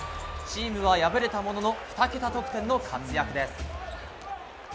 チームは敗れたものの２桁得点の活躍です。